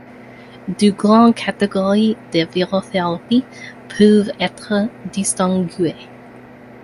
Deux grandes catégories de virothérapie peuvent être distinguées.